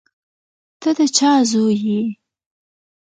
ته د چا زوی یې؟